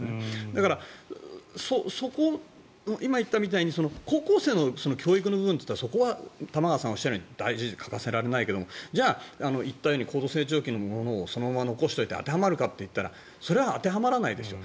だから今、言ったみたいに高校生の教育の部分と言ったらそこは玉川さんがおっしゃるように大事で欠かせられないけどもじゃあ、言ったように高度成長期のものをそのまま残しておいて当てはまるかといったらそれは当てはまらないですよ。